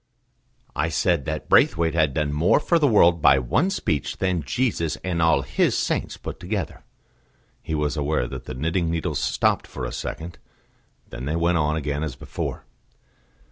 "I said that Braithwaite had done more for the world by one speech than Jesus and all His saints put together." He was aware that the knitting needles stopped for a second; then they went on again as before.